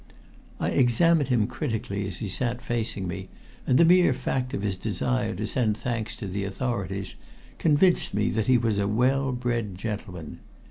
I examined him critically as he sat facing me, and the mere fact of his desire to send thanks to the authorities convinced me that he was a well bred gentleman.